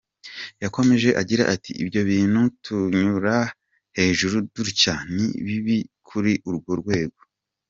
Yakomeje agira ati “Ibyo bintu tunyura hejuru dutya, ni bibi kuri urwo rwego.